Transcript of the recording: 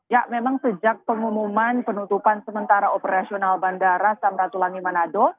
ya memang sejak pengumuman penutupan sementara operasional bandara samratulangi manado